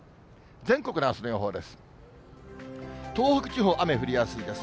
全国のあすの予報です。